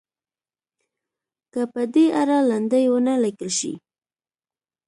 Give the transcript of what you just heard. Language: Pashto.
که په دې اړه لنډۍ ونه لیکل شي.